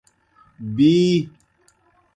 بی۔